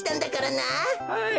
はい。